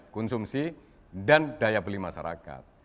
konsumsi dan daya beli masyarakat